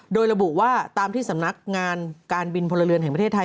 โดยระบุว่าตามที่สำนักงานการบินพลเรือนแห่งประเทศไทย